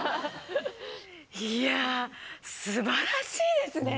いやすばらしいですね。